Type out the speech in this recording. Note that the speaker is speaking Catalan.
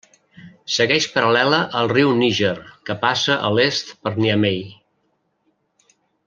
Segueix paral·lela al riu Níger que passa a l'est per Niamey.